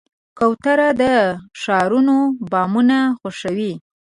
کوتره د ښارونو بامونه خوښوي.